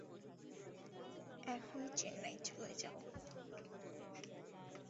এখনি চেন্নাই চলে যাও।